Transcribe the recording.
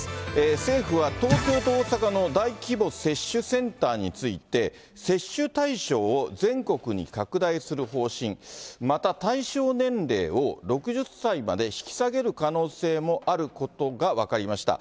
政府は東京と大阪の大規模接種センターについて、接種対象を全国に拡大する方針、また対象年齢を、６０歳まで引き下げる可能性もあることが分かりました。